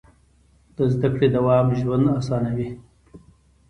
د زده کړې دوام ژوند اسانوي.